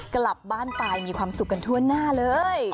กลับบ้านไปมีความสุขกันทั่วหน้าเลย